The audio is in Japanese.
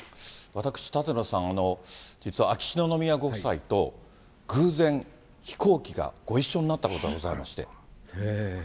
私、舘野さん、実は秋篠宮ご夫妻と、偶然、飛行機がご一緒になったことがございまして。